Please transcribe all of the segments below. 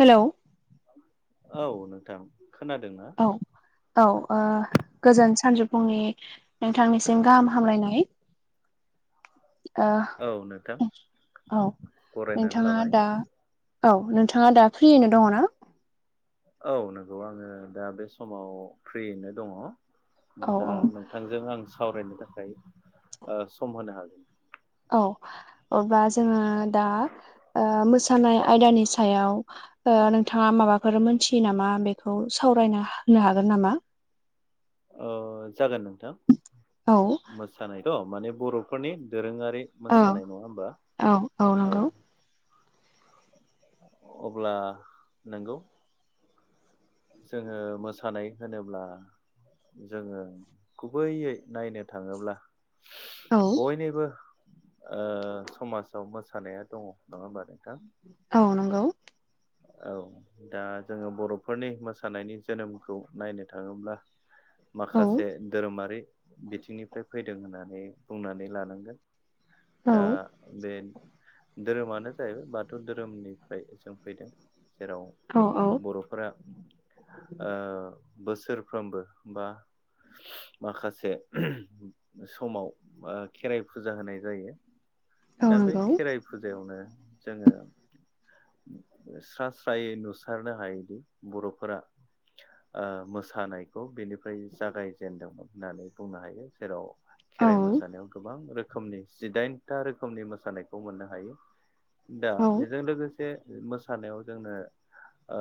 Hello औ नोंथां खोनादों औ औ गोजोन सानजौफुनि नोंथांनिसिम गाहाम हामलायनाय औ नोंथां ओ औ बरायनानै नोंथाङा लाबाय दा औ नोंथाङा दा फ्रियैनो दङना? औ नंगौ आंङो दा बे समाव फ्रियैनो दङ औ दा औ थांजों आं सावरायनो थाखाय ओ सम होनो हागोन। औ अब्ला जोङो दा मोसानाय ओ आयदानि सायाव ओ नोंथाङा माबाफोर मोनथियो नामा बेखौ सावरायना होनो हागोन नामा? ओ जागोन नोंथां औ मोसानायथ' माने बर'फोरनि दोरोङारि औ मोसानाय नङा होमबा? औ औ। नंगौ अब्ला नंगौ। जोङो मोसानाय होनोब्ला जोङो गुबैयै नायनो थाङोब्ला [unintelligible] बयनिबो ओ समाजाव मोसानाया दङ नङा होमबा नोंथां? औ नंगौ। औ। दा जोङो बर'फोरनि मोसानायनि जोनोमखौ नायनो थाङोब्ला औ माखासे धोरोमारि बिथिंनिफ्राय फैदों होननानै बुंनानै लानांगोन। औ दा बे धोरोमानो जाहैबाय बाथौ धोरोमनिफ्राय जों फैदों जेराव औ औ बर'फोरा ओ बोसोरफ्रोमबो बा माखासे समाव ओ खेराइ फुजा होनाय जायो। औ दा बे नंगौ खेराइ फुजायावनो जोङो स्रा स्रायै नुसारनो हायोदि बर'फोरा ओ मोसानायखौ बेनिफ्राय जागायजेनदोंमोन होननानै बुंनो हायो जेराव औ खेराइ मोसानायाव गोबां रोखोमनि जिदाइनथा रोखोमनि मोसानायखौ मोननो हायो। दा औ बेजों लोगोसे मोसानायाव जोंनो ओ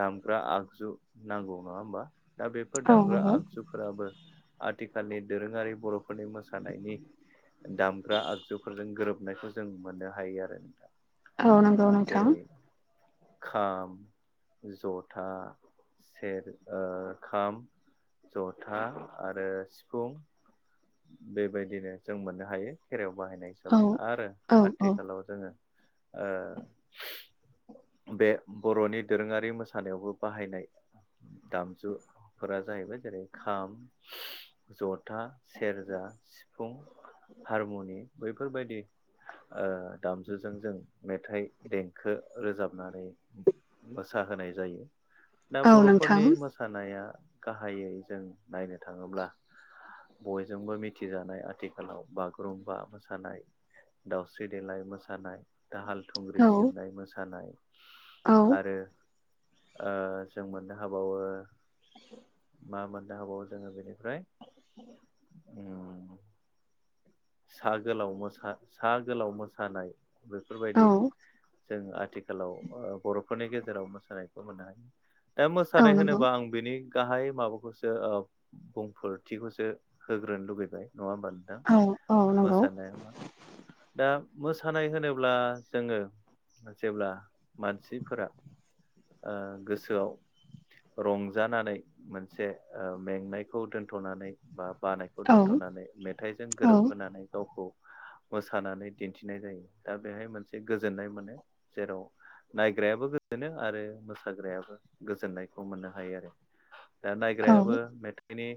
दामग्रा आगजु नांगौ नङा होमबा दा बेफोर दामग्रा नंगौ आगजु फोराबो आथिखालनि दोरोङारि बर'फोरनि मोसानायनि दामग्रा आग जुफोरजों गोरोबनायखौ जों मोननो हायो आरो नोंथां औ नंगौ नोंथां जेरै खाम, जथा, सेर ओ खाम जथा आरो सिफुं बेबायदिनो जों मोननो हायो खेरायाव बाहायनाय औ हिसाबै आरो औ औ आथिखालाव जोङो ओ बे बर'नि दोरोङारि मोसानायावबो बाहायनाय दामजु फोरा जाहैबाय जेरै खाम जथा सेरजा सिफुं। हारमनि बैफोरबायदि ओ दामजुजों जों मेथाइ देंखो रोजाबनानै मोसाहोनाय जायो दा औ नोंथां बर'फोरनि मोस सानाया गाहायै जों नायनो थाङोब्ला बयजोंबो मिथिजानाय आथिखालाव बागुरुम्बा मोस सानाय दावस्रि देलाय मोसानाय, दाहाल थुंग्रि औ सिबनाय मोसानाय औ आरो ओ जों मोननो हाबावो मा मोननो होबावो जोङो बेनिफ्राय उम्म। सा गोलाव मोसा सा गोलाव मोसानाय बेफोरबायदि औ जों आथिखालाव ओ बर'फोरनि गेजेराव मोसानायखौ मोननो हायो ओ औ मोसानाय नंगौ होनोबा आं बिनि गाहाय माबाखौसो ओ बुंफोरथिखौसो होग्रोनो लुुबैबाय नङा होमबा नोंथां? औ अ। मोसानाया मा दा मोसानाय होनोब्ला जोङो जेब्ला मानसिफोरा ओ गोसोआव रंजानानै मोनसे ओ मेंनायखौ दोनथ'नानै बा बानाय खौ औ दोनथ'नानै मेथाइजों औ गोरोबहोनानै गावखौ मोसानानै दिन्थिनाय जायो दा बेहाय मोनसे गोजोननाय मोनो जेराव नायग्रायाबो गोजोनो आरो मोसाग्रायाबो गोजोननायखौ मोननो हायो आरो दा औ नायग्रायाबो मेथा बेनि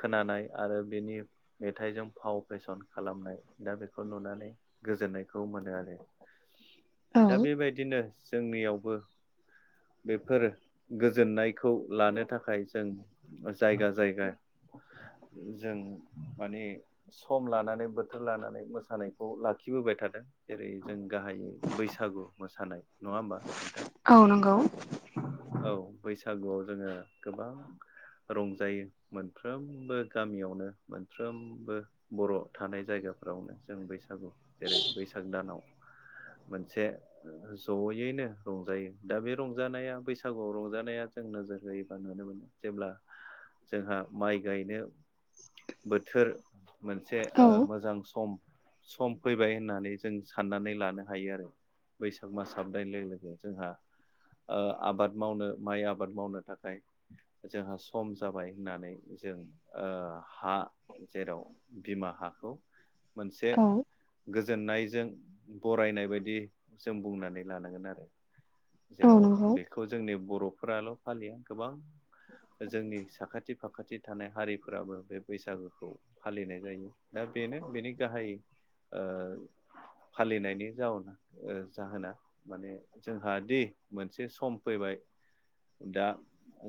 खोनानाय आरो बेनि मेथाइजों फाव फेसन खालामनाय दा बेखौ नुनानै गोजोननायखौ मोनो आरो। दा बेबायदिनो जोंनियावबो बेफोर गोजोननायखौ लानो थाखाय जों जायगा जायगा जों माने सम लानानै बोथोर लानानै मोसानायखौ लाखिबोबाय थादों जेरै जों गाहायै बैसागु मोसानाय नङा होमबा नोंथां औ नंगौ औ बैसागुआव जोङो गोबां रंजायो मोनफ्रोमबो गामियावनो मोनफ्रोमबो बर' थानाय जायगाफ्रावनो जों बैसागु जेरै बैसाग दानाव मोनसे जयैनो रंजायो दा बे रंजानाया बैसागुआव रंजानाया जों नोजोर होयोबा नुनो मोनो जेब्ला जोंहा माइ गायनो बोथोर मोनसे औ ओ मोजां सम सम फैबाय होननानै जों साननानै लानो हायो आरो बैसाग मास हाबनाय लोगो लोगो जोंहा ओ आबाद मावनो माइ आबाद मावनो थाखाय जोंहा सम जाबाय होननानै जों ओ हा जेराव बिमा हाखौ मोनसे औ गोजोननायजों बरायनाय बायदि जों बुंनानै लानांगोन आरो औ जेराव नंगौ बेखौ जोंनि बर'फोराल' फालिया गोबां जोंनि साखाथि फाखाथि थानाय हारिफोराबो बे बैसागोखौ फालिनाय जायो दा बेनो बेनि गाहाय ओ फालिनायनि जाउना ओ जाहोना माने जोंहा दि मोनसे सम फैबाय दा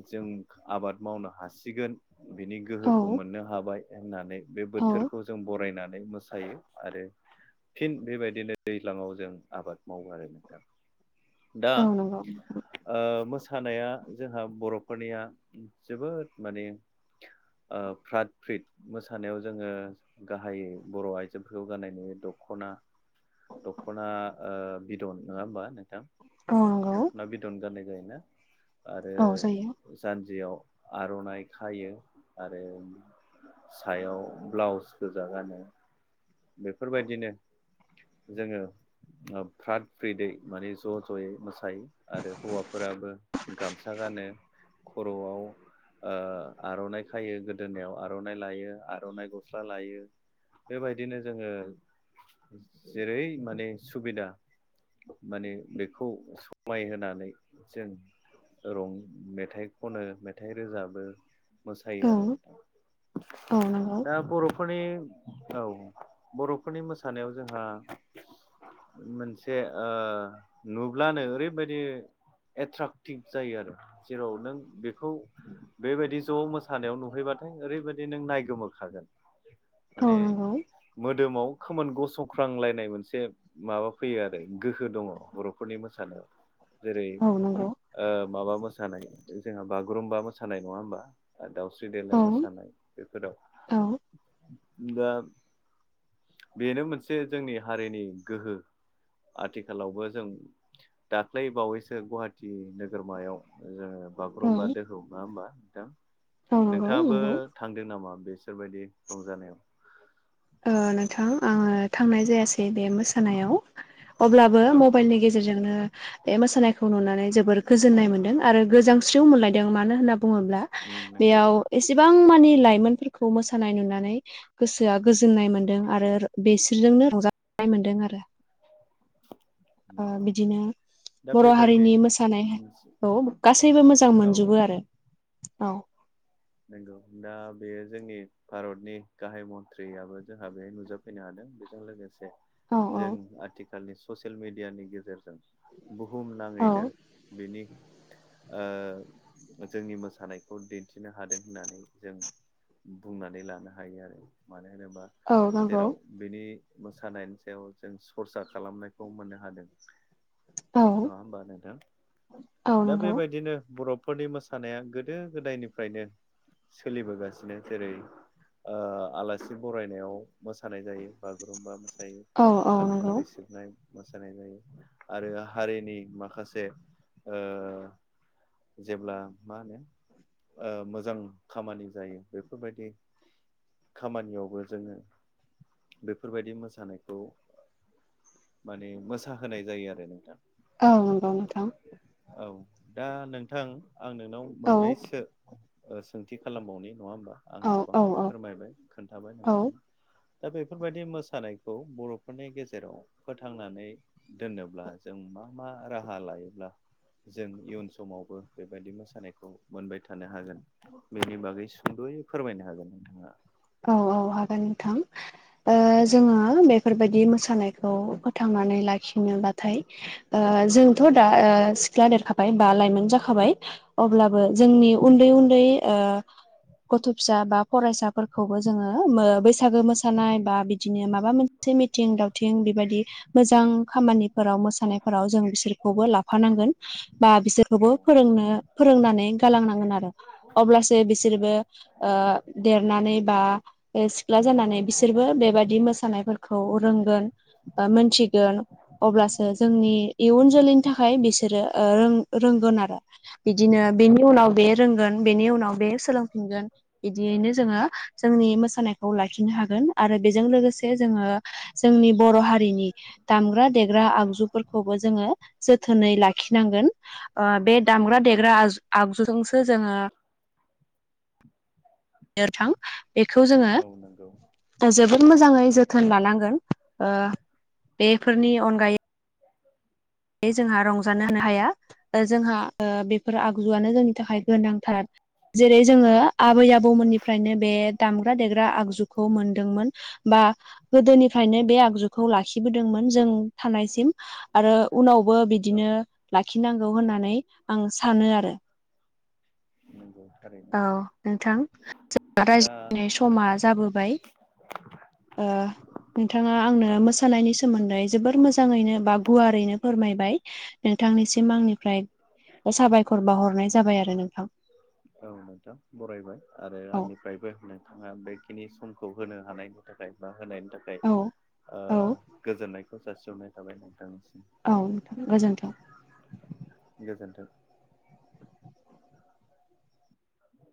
जों आबाद मावनो हासिगोन बिनि औ गोहोखौ मोननो हाबाय होननानै बे औ बोथोरखौ जों बरायनानै मोस सायो आरो फिन बेबायदिनो दैज्लाङाव जों आबाद मावो आरो नोंथां दा औ नंगौ ओ मोसानाया जोंहा बर'फोरनिया जोबोद माने ओ फ्राद फ्रिद मोस सानायाव जोङो गाहायै बर' आइजोफोरखौ गाननाय नुयो दख'ना दख'ना बिदन ओ नङा होमबा नोंथां औ नंगौ दखना बिदन गाननाय जायोना औ जायो आरो जानजियाव आर'नाइ खायो आरो सायाव ब्लाउस गोजा गानो बेफोरबायदिनो जोङो ओ फ्राद फ्रिदै माने ज' ज'यै मोसायो आरो हौवाफोराबो गामसा गानो खर'आव ओ आर'नाइ खायो गोदोनायाव आर'न [unintelligible] लायो आर'नाइ गस्ला लायो बेबायदिनो जोङो जेरै माने सुबिदा माने बेखौ समायहानै जों रं मेथाइ खनो मेथाइ रोजाबो मोसायो औ आरो नोंथां औ नंगौ दा बर' फोरनि औ बर'फोरनि मोसानायाव जोंहा मोनसे ओ नुब्लानो ओरैबायदि एट्राकटिभ जायो आरो जेराव नों बेखौ बेबायदि ज' मोसानायाव नुहैबाथाय ओरैबायदि नों नाय गोमोखागोन औ माने नंगौ मोदोमाव खोमोन गसंख्रांलायनाय मोनसे माबा फैयो आरो गोहो दङ बर'फोरनि मोसानायाव जेरै औ नंगौ माबा मोसानाय जोंहा बागुरुम्बा मोसानाय नङा होमबा दावस्रि औ देेलाय मोसानाय बेफोराव औ दा बेनो मोनसे जोंनि हारिनि गोहो आथिखालावबो जों दाख्लै बावैसो गुवाहाटि नोगोरमायाव जोङो बागुरुम्बा दोहौ नङा होमबा नोंथां नंगौ नोंथाङाबो नंगौ दों नामा बिसोरबायदि रंजानायाव ओ नोंथां आङो थांनाय जायासै बे मोसानायाव अब्लाबो औ मबाइलनि गेजेरजोंनो बे मोसा मोसानायखौ नुनानै जोबोर गोजोननाय मोनदों आरो गोजांस्रियाव मोनलायदों मानो होनना बुङोब्ला उम बेयाव एसेबां मानि लाइमोनफोरखौ मोसानाय नुनानै गोसोआ गोजोननाय मोन्दों आरो बेसोरजोंनो रंजानाय मोन्दों आरो ओ नंगौ बिदिनो दा बर' बेबायदि हारिनि मोसानाय औ गासैबो मोजां औ मोनजोबो आरो औ नंगौ दा बेयो जोंनि भारतनि गाहाय मन्थ्रियो जोंहा बे नुजोब फैनो हादों बेजों लोगोसे औ औ जों आथिखालनि ससियेल मिडियानि गेजेरजों बुहुम औ नाङैनो बिनि ओ जोंनि मोसानायखौ दिन्थि खिनो हादों होननानै जों बुंनानै लानो हायो आरो मानो होनोबा औ नंगौ जेराव बिनि मोसानायनि सायाव जों सरसा खालामनायखौ मोननो हादों औ नङा हबा नोंथां औ दा नंगौ बेबायदिनो बरफ फोरनि मोसानाया गोदो गोदायनि फ्रायनो सोलिबोगासिनो जेरै आलासि बरायनायाव मोसानाय जायो बागुरुमबा मोसायो औ औ दाहाल नंगौ थुंग्रि सिबनाय मोसानाय जायो आरो हारिनि माखासे ओ जेब्ला मा होनो ओ मोजां खामानि जायो बेफोरबायदि खामानियावबो जोङो बेफोरबायदि मोसानायखौ माने मोसाहोनाय जायो आरो नोंथां औ नंगौ नोंथां औ दा नोंथां आं नोंनाव औ मोननैसो सोंथि खालामबावनि नङा होमबा आं औ गोबां औ औ फोरमायबाय खोन्थाबाय औ नोंथांनो दा बेफोरबायदि मोसानायखौ बर'फोरनि गेजेराव फोथांनानै‌ दोनोब्ला जों मा मा राहा लायोब्ला जों इयुन समावबो बेबायदि मोसानायखौ मोनबाय था थानो हागोन बेनि बागै सुंद'यै फोरमायनो हागोन नोंथाङा औ औ हागोन नोंथां जोङो बेफोरबायदि मोसानायखौ थांनानै लाखिनोबाथाय जोंथ' दा सिख्ला देरखाबाय बा लाइमोन जाखाबाय अब्लाबो जोंनि नंगौ उन्दै उन्दै गथ' फिसा बा फरायसाफोर खौबो जोङो बैसागो मोसानाय बा बिदिनो माबा मोनसे मिथिं दाव थिं बेबायाददि मोजां खामानिफोराव मोसानायफोराव जों बिसोरखौबो लाफानांगोन बा औ बिसोरखौबो फोरोंनो फोरोंनानै गालांनांगोन आरो अब्लासो बिसोरबो नंगौ देरनानै बा सिख्ला जानानै बिसोरबो बेबादि मोसानायफोरखौ रोंगोन आ मन्थिगोन अब्लासो जोंनि इयुन जोलैनि थाखाय बिसोरो रों-रोंगोन आरो बिदिनो बेनि उनाव बे रोंगोन बेनि उनाव बे स सोलोंफिनगोन औ बिदियैनो जोङो जोंनि मोसानायखौ लाखिनो हागोन आरो बेजों लोगोसे जोङो जोंनि बर' हारिनि दामग्रा देग्रा आगजुफोरखौबो जोङो जोथोनै लाख खिनांगोन ओ बे दामग्रा देग्रा आज-आगजुजोंसो जोङो थां बेखौ जोङो औ नंगौ जोबोद मोजाङै जोथोन लानांगोन ओ बेफोरनि अनगायै बे जोंहा रंजानो होनो हाया ओ जोंहा ओ बेफोर आगजुआनो जोंनि थाखाय गोनांथार जेरै जोङो आबै आबौमोननिफ्रायनो बे दामग्रा देग्रा आगजुखौ मोनदोंमोन बा गोदोनिफ्रायनो बे आगजुखौ लाखिबोदोंमोन जों थानायसिम आरो उनावबो औ बिदिनो लाखिनांगौ होननानै आं सानो आरो नोंगौ थारै औ नोंथां जों [unintelligible] दा रायज्लायनाय समा जाबोबाय ओ नोंथाङा आंनो मोसानायनि सोमोन्दै जोबोर मोजाङैनो बा गुवारैनो फोरमायबाय। नोंथांनिसिम आंनिफ्राय साबायखर बावहरनाय जाबाय आरो नोंथां। औ नोंथां बरायबाय। आरो औ आंनिफ्रायबो नोंथाङा बे खिनि समखौ होनो हानायनि थाखाय बा होनायनि थाखाय औ औ ओ गोजोननायखौ जासिहनाय थाबाय नोंथांनिसिम। औ नोंथां गोजोन्थों। गोजोन्थों।